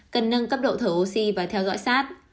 cần nâng cấp độ thở oxy và theo dõi sát